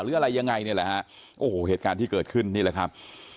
หรืออะไรยังไงเนี่ยแหละฮะโอ้โหเหตุการณ์ที่เกิดขึ้นนี่แหละครับ